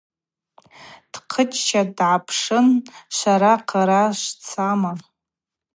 Дхъыччатӏ, дгӏаспшын: – Швара хъара швцама?